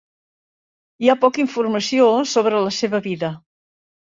Hi ha poca informació sobre la seva vida.